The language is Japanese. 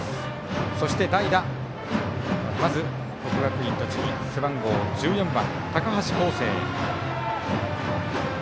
そして代打、まず国学院栃木背番号１４番、高橋巧成。